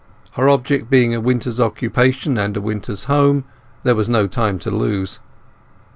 Her object being a winter's occupation and a winter's home, there was no time to lose.